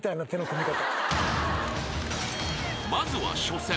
［まずは初戦］